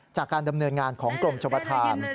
จากการดำเนินงานของกรงชบทาน